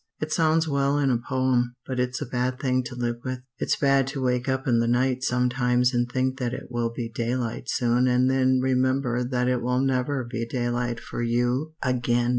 It sounds well in a poem, but it's a bad thing to live with. It's bad to wake up in the night sometimes and think that it will be daylight soon and then remember that it will never be daylight for you again!